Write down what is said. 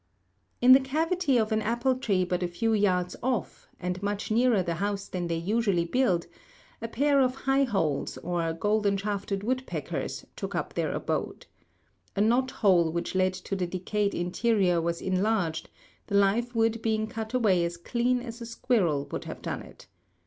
In the cavity of an apple tree but a few yards off, and much nearer the house than they usually build, a pair of high holes, or golden shafted woodpeckers, took up their abode. A knot hole which led to the decayed interior was enlarged, the live wood being cut away as clean as a squirrel would have done it.